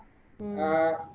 itu dulu petrus ya